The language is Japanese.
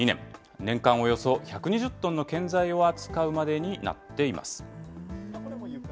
年間およそ１２０トンの建材を扱うまでになっています。